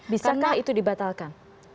bisakah itu dibatalkan